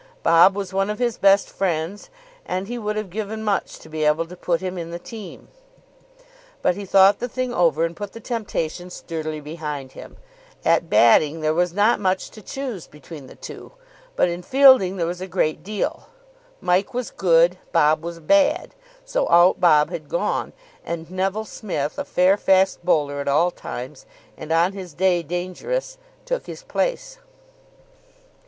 Bob was one of his best friends, and he would have given much to be able to put him in the team; but he thought the thing over, and put the temptation sturdily behind him. At batting there was not much to choose between the two, but in fielding there was a great deal. Mike was good. Bob was bad. So out Bob had gone, and Neville Smith, a fair fast bowler at all times and on his day dangerous, took his place.